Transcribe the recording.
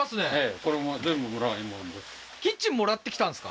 これもキッチン貰ってきたんですか？